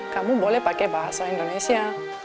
kamu boleh pakai bahasa indonesia